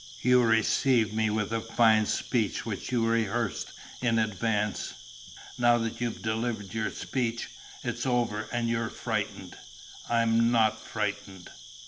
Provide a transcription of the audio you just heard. You received me with a fine speech which you rehearsed in advance. Now that you've delivered your speech ... it's over and you're frightened." "I am not frightened."